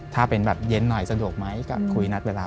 ถ้าเป็นแบบเย็นหน่อยสะดวกไหมก็คุยนัดเวลา